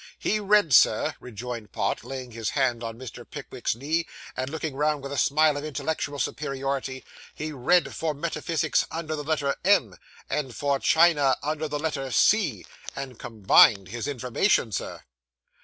'He read, Sir,' rejoined Pott, laying his hand on Mr. Pickwick's knee, and looking round with a smile of intellectual superiority 'he read for metaphysics under the letter M, and for China under the letter C, and combined his information, Sir!